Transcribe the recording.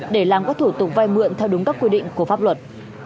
để làm các thủ tục vay mượn theo đúng các quy định của pháp luật